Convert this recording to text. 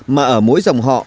mà ở mỗi dòng họ